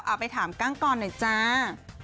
เอาไปถามกั้งกรหน่อยจ้า